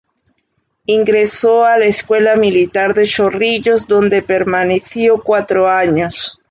Ingresó a la Escuela Militar de Chorrillos, donde permaneció cuatro años.